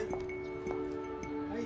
・はい。